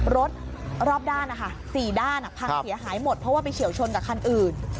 รถรอบด้านนะคะ๔ด้านพังเสียหายหมดเพราะว่าไปเฉียวชนกับคันอื่น